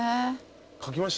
書きました？